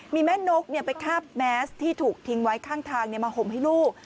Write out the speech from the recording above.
มีแม่นกไปคาบแมสที่ถูกทิ้งไว้ข้างทางมาห่มให้ลูก